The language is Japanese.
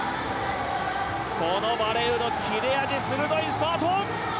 このバレウの切れ味鋭いスパート！